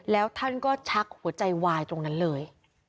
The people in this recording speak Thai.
แล้วท่านก็ชักหัวใจวายตรงนั้นเลย